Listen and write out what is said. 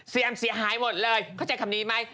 เสียหายหมดเลยเข้าใจคำนี้ไหม